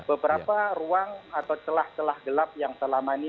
beberapa ruang atau celah celah gelap yang selama ini